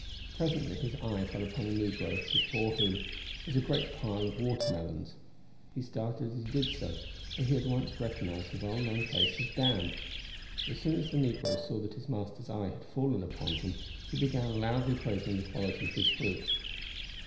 Presently his eye fell upon a negro before whom was a great pile of watermelons. He started as he did so, for he at once recognized the well known face of Dan. As soon as the negro saw that his master's eye had fallen upon him he began loudly praising the quality of his fruit.